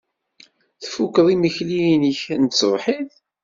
Tfukeḍ imekli-nnek n tṣebḥit?